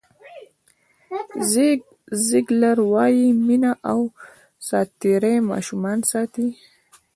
زیګ زیګلر وایي مینه او ساعتېرۍ ماشومان ساتي.